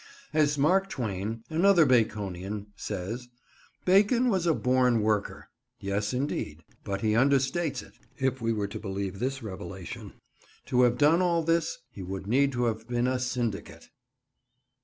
As Mark Twain—another Baconian—says, "Bacon was a born worker." Yes, indeed; but he understates it, if we were to believe this revelation. To have done all this he would need to have been a syndicate.